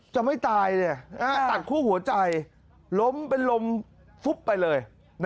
จะไม่ตายตัดคู่หัวใจล้มเป็นลมฟุบไปเลย